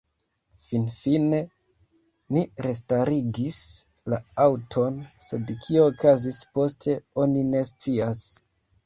Finfine li restarigis la aŭton, sed kio okazis poste oni ne scias.